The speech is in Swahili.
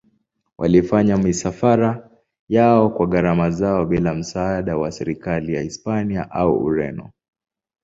Walifanya misafara yao kwa gharama zao bila msaada wa serikali ya Hispania au Ureno.